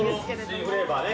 ◆新フレーバーね。